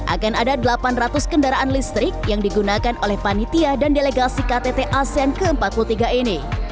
akan ada delapan ratus kendaraan listrik yang digunakan oleh panitia dan delegasi ktt asean ke empat puluh tiga ini